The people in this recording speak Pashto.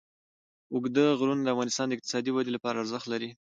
اوږده غرونه د افغانستان د اقتصادي ودې لپاره ارزښت لري.